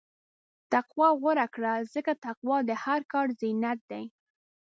تقوی غوره کړه، ځکه تقوی د هر کار زینت دی.